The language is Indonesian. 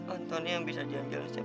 antonia yang bisa jadikan aku yang terkenal